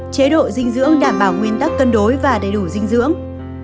chế độ dinh dưỡng đảm bảo nguyên tắc cân đối và đầy đủ dinh dưỡng